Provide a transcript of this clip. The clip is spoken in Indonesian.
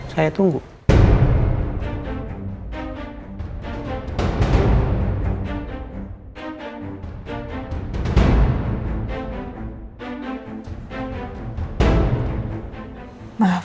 saya akan mencari